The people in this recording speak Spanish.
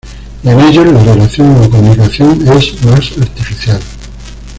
Y en ellos la relación o comunicación es más artificial.